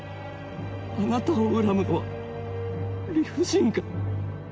あなたを恨むのは理不尽か？